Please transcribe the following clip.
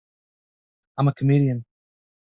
I'm a comedian.